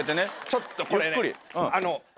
ちょっとこれねあの。